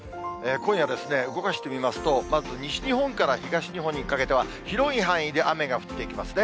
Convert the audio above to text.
今夜、動かしてみますと、まず西日本から東日本にかけては、広い範囲で雨が降ってきますね。